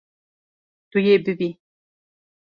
Tu yê bibî.